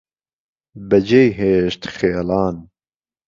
بهجێی هێشت خێڵان